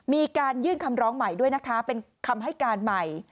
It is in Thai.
มีการยื่นคำร้องใหม่ด้วยนะคะเป็นคำให้การใหม่